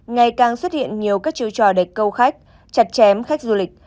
ngày càng xuất hiện nhiều các chiêu trò địch câu khách chặt chém khách du lịch